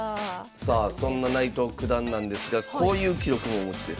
さあそんな内藤九段なんですがこういう記録もお持ちです。